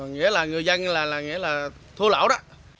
nghĩa là người dân là thua lão đó